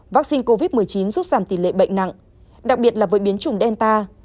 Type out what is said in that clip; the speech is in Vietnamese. vaccine covid một mươi chín giúp giảm tỷ lệ bệnh nặng đặc biệt là với biến chủng delta